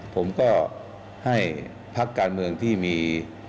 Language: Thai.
ผมก็ให้พักการเมืองที่มี